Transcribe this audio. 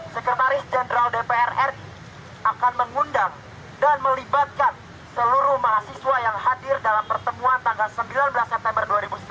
sekretaris jenderal dpr ri akan mengundang dan melibatkan seluruh mahasiswa yang hadir dalam pertemuan tanggal sembilan belas september dua ribu sembilan belas